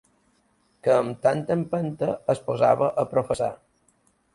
...que amb tanta empenta es posava a professar.